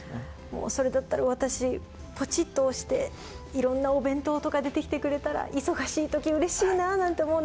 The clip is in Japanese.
もうそれだったら私ポチッと押していろんなお弁当とか出てきてくれたら忙しい時嬉しいななんて思うんですが。